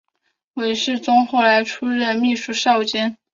韦士宗后来出任秘书少监。